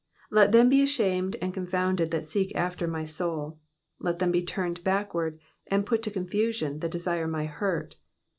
2 Let them be ashamed and confounded that seek after my soul ; let them be turned backward, and put to confusion, that desire my hurt.